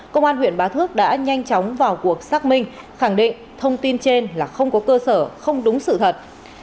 công an huyện bá thước đã nhanh chóng vào cuộc xác minh khẳng định thông tin trên là không có cơ sở không đúng sự thật